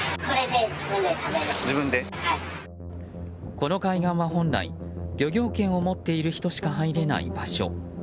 この海岸は本来、漁業権を持っている人しか入れない場所。